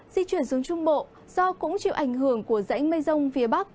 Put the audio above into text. di chuyển xuống trung bộ do cũng chịu ảnh hưởng của rãnh mây rông phía bắc